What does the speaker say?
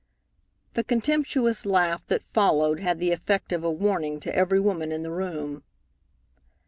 The contemptuous laugh that followed had the effect of a warning to every woman in the room.